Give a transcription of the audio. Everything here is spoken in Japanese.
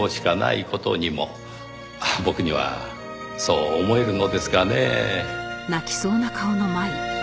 僕にはそう思えるのですがねぇ。